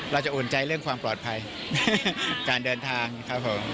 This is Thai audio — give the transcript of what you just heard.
อุ่นใจเรื่องความปลอดภัยการเดินทางครับผม